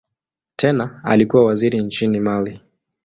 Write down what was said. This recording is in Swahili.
Tena alikuwa waziri nchini Mali.